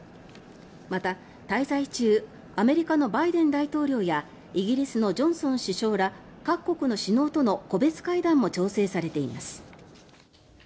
また、滞在中アメリカのバイデン大統領やイギリスのジョンソン首相ら各国の首脳との個別会談も調整されています。